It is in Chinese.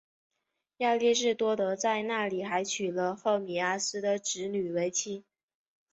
亚里士多德在那里还娶了赫米阿斯的侄女为妻。